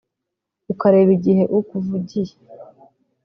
ukareba igihe ukuvugiye